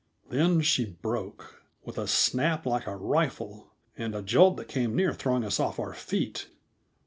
Then she broke, with a snap like a rifle, and a jolt that came near throwing us off our feet.